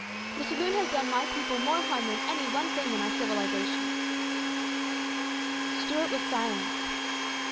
The saloon has done my people more harm than any one thing in our civilisation." Stuart was silent.